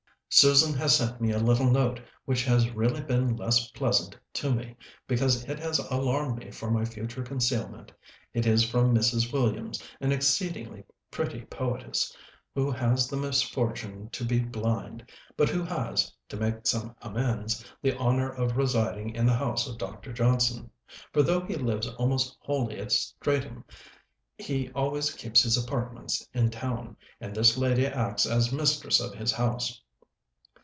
Susan has sent me a little note which has really been less pleasant to me, because it has alarmed me for my future concealment. It is from Mrs. Williams, an exceeding pretty poetess, who has the misfortune to be blind, but who has, to make some amends, the honor of residing in the house of Dr. Johnson; for though he lives almost wholly at Streatham, he always keeps his apartments in town, and this lady acts as mistress of his house.